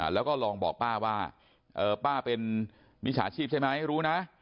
แล้วก็ลองบอกป้าว่าป้าเป็นมิจฉาชีพใช่ไหมรู้นะ